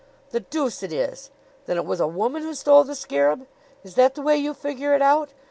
"The deuce it is! Then it was a woman who stole the scarab? Is that the way you figure it out?